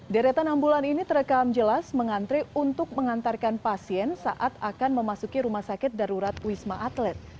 deretan ambulan ini terekam jelas mengantri untuk mengantarkan pasien saat akan memasuki rumah sakit darurat wisma atlet